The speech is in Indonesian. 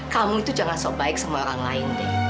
kamu itu jangan sebaik sama orang lain deh